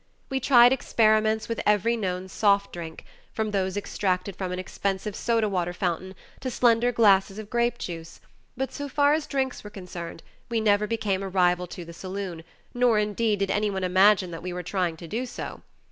We tried experiments with every known "soft drink," from those extracted from an expensive soda water fountain to slender glasses of grape juice, but so far as drinks were concerned we never became a rival to the saloon, nor indeed did anyone imagine that we were trying to do so.